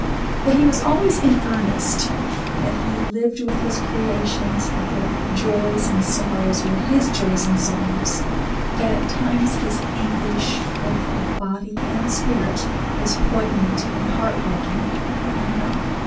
That he was always in earnest, that he lived with his creations, that their joys and sorrows were his joys and sorrows, that at times his anguish, both of body and spirit, was poignant and heart breaking, I know.